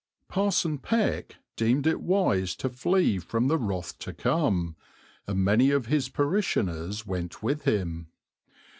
Parson Peck deemed it wise to flee from the wrath to come, and many of his parishioners went with him.